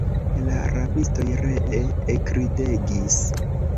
La rabistoj ree ekridegis.